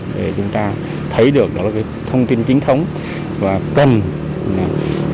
để chúng ta thấy được những thông tin những áp phích trong các địa bàn